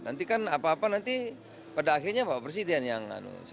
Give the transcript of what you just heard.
nanti kan apa apa nanti pada akhirnya pak presiden yang